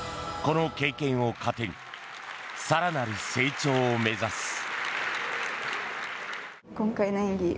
この経験を糧に更なる成長を目指す。